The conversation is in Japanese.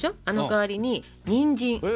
あの代わりににんじん。